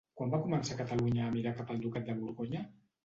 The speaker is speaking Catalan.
Quan va començar Catalunya a mirar cap al ducat de Borgonya?